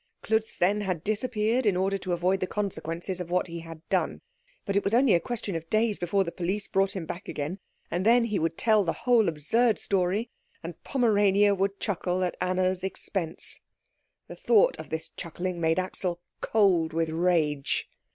Klutz, then, had disappeared in order to avoid the consequences of what he had done; but it was only a question of days before the police brought him back again, and then he would tell the whole absurd story, and Pomerania would chuckle at Anna's expense. The thought of this chuckling made Axel cold with rage.